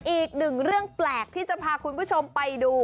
อีกหนึ่งเรื่องแปลกที่จะพาคุณผู้ชมไปดู